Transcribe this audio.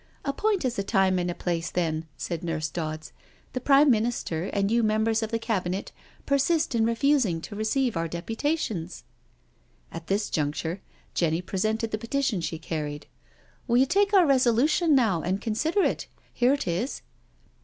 ..."" Appoint us a time and a place then/' said Nurse Dodds, •' The Prime Minister and you Members of the Cabinet persist in refusing to receive our deputa tions." At this juncture Jenny presented the petition she carried. " Will you take our Resolution now and consider it? Here it is."